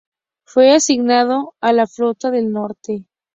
Fue asignado a la Flota del Norte.